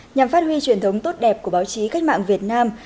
nhằm phát huy truyền thống tốt đẹp của báo chí cách mạng việt nam